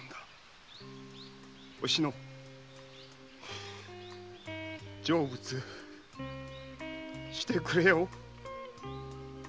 おしの成仏してくれよ。